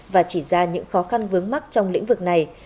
và chỉ ra những khó khăn vướng mắt trong lĩnh vực này